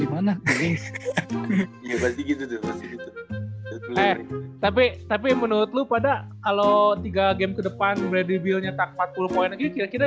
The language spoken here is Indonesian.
dimana tapi tapi menurut lu pada kalau tiga game kedepan ready buildnya tak empat puluh poin lagi kira kira